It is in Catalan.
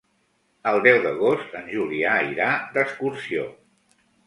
El deu d'agost en Julià irà d'excursió.